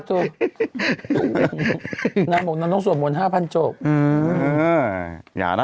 ตึงน้ำต้องสวบมนุษย์ห้าพันจบอืมอย่าน่ะ